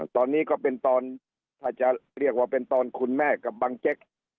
ตอนนี้ก็เป็นตอนถ้าจะเรียกว่าเป็นตอนคุณแม่กับบังเจ๊ก